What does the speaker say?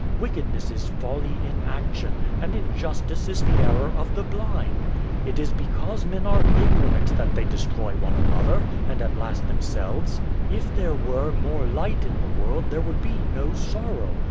Wickedness is folly in action, and injustice is the error of the blind. It is because men are ignorant that they destroy one another, and at last themselves. "If there were more light in the world there would be no sorrow.